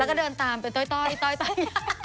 แล้วก็เดินตามไปไป